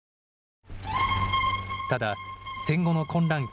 ただ、戦後の混乱期。